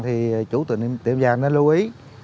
thì chủ tiệm vàng nên lưu ý